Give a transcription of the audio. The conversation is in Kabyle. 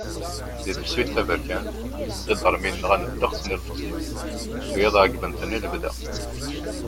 Di tefsut taberkant, iǧadaṛmiyen nɣan ddeqs n yilmeẓyen, wiyaḍ ɛeggben-ten ilebda.